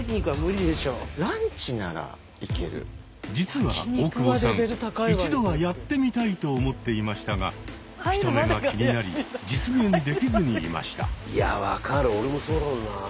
実は大久保さん一度はやってみたいと思っていましたが人目が気になり実現できずにいました。